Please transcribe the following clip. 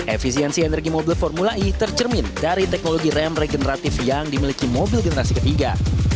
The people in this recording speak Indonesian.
efisiensi energi mobil formula e tercermin dari teknologi rem regeneratif yang dimiliki mobil generasi ketiga